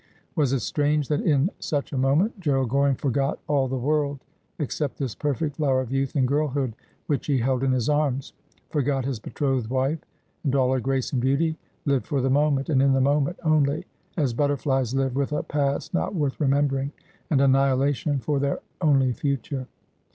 Was it strange that in such a moment Gerald Goring forgot all the world except this perfect flower of youth and girlhood which he held in his arms — forgot his betrothed wife, and all her grace and beauty ; lived for the moment, and in the moment only, as biitterflies live — with a past not worth remembering, and annihilation for their only future